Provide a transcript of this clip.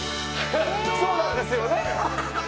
そうなんですよね！